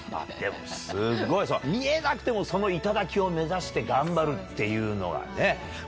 でもすごい、見えなくてもその頂を目指して頑張るっていうのがね。